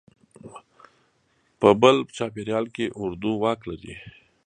په بل چاپېریال کې اردو واک لري.